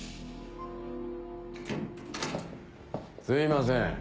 すいません